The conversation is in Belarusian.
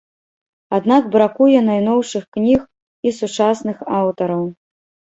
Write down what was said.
Аднак бракуе найноўшых кніг і сучасных аўтараў.